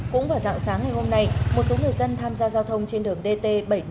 cũng vào dặng sáng ngày hôm nay một số người dân tham gia giao thông trên đường dt bảy trăm năm mươi chín